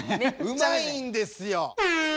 うまいんですよ。